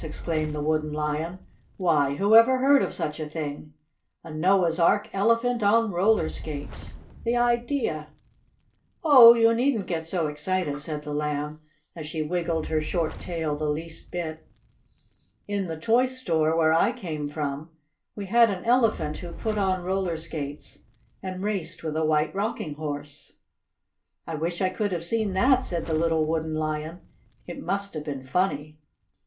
exclaimed the Wooden Lion. "Why! who ever heard of such a thing? A Noah's Ark Elephant on roller skates! The idea!" "Oh, you needn't get so excited," said the Lamb, as she wiggled her short tail the least bit. "In the toy store, where I came from, we had an Elephant who put on roller skates and raced with a White Rocking Horse." "I wish I could have seen that," said the little Wooden Lion. "It must have been funny."